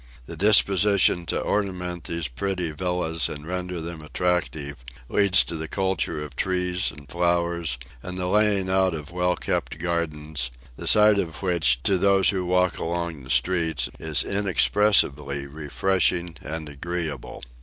The disposition to ornament these pretty villas and render them attractive, leads to the culture of trees and flowers, and the laying out of well kept gardens, the sight of which, to those who walk along the streets, is inexpressibly refreshing and agreeable.